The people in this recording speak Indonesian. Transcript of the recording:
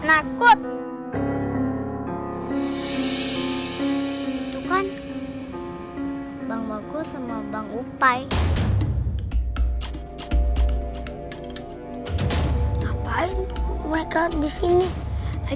aku digigitin nyamuk nih kak